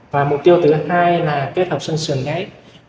và mục tiêu thứ hai là kết hợp sân sườn gáy